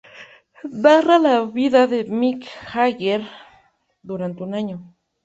Narra la vida de Mick Jagger durante un año.